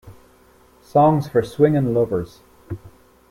Songs for Swingin' Lovers!